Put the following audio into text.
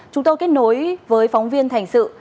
chúng tôi kết nối với phóng viên thành sự